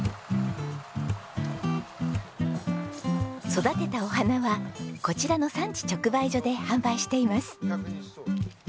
育てたお花はこちらの産地直売所で販売しています。